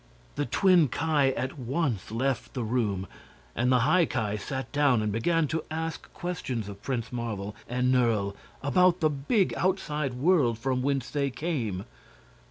The twin Ki at once left the room, and the High Ki sat down and began to ask questions of Prince Marvel and Nerle about the big outside world from whence they came.